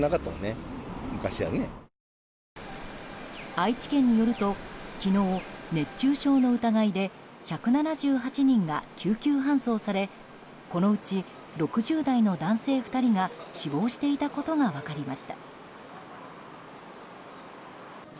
愛知県によると、昨日熱中症の疑いで１７８人が救急搬送されこのうち６０代の男性２人が死亡していたことが分かりました。